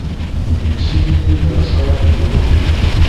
جیِبی درخواست دیما